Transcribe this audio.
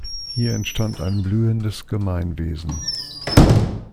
Hier entstand ein blühendes Gemeinwesen.